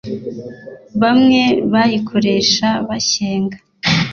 Bamwe bayikoresha bashyenga